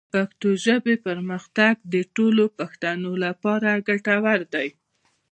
د پښتو ژبې پرمختګ د ټولو پښتنو لپاره ګټور دی.